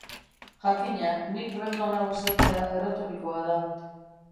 Jakina, nik Renon hau esatea erretorikoa da.